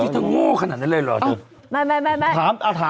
ถูกรอบไหมล่ะ